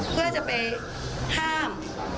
เพื่อจะไปห้าม